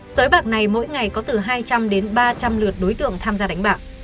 sới bạc này mỗi ngày có từ hai trăm linh đến ba trăm linh lượt đối tượng tham gia đánh bạc